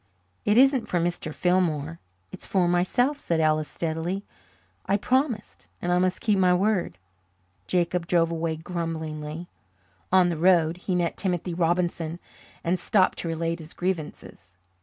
"It isn't for Mr. Fillmore it's for myself," said Ellis steadily. "I promised and I must keep my word." Jacob drove away grumblingly. On the road he met Timothy Robinson and stopped to relate his grievances.